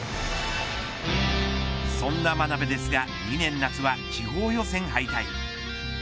そんな眞鍋ですが２年夏は地方予選敗退。